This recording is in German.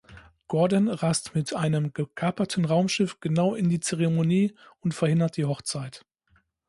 Gordon rast mit einem gekaperten Raumschiff genau in die Zeremonie und verhindert die Hochzeit.